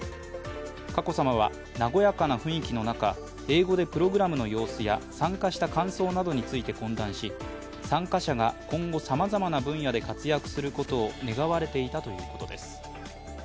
佳子さまは和やかな雰囲気の中英語でプログラムの様子や参加した感想などについて懇談し参加者が今後さまざまな分野で活躍することを願われていたということです。